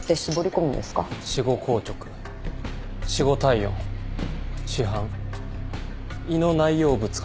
死後硬直死後体温死斑胃の内容物から。